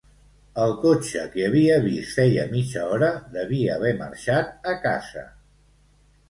El cotxe que havia vist feia mitja hora devia haver marxat a casa.